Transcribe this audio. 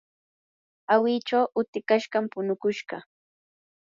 awichu utikashqami punukushqa.